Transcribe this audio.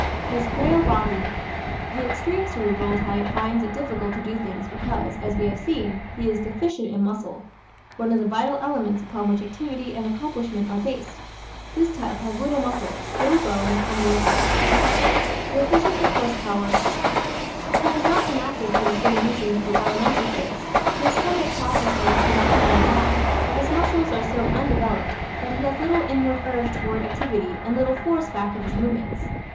His Frail Body ¶ The extreme Cerebral type finds it difficult to do things because, as we have seen, he is deficient in muscle one of the vital elements upon which activity and accomplishment are based. This type has little muscle, little bone, and little fat. Deficient in "Horse Power" ¶ He is not inactive for the same reason that the Alimentive is; his stomach processes do not slow him down. But his muscles are so undeveloped that he has little inward urge toward activity and little force back of his movements.